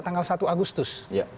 tanggal satu agustus